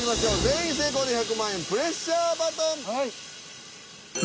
全員成功で１００万円プレッシャーバトン。